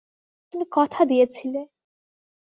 তুমি কথা দিয়েছিলে!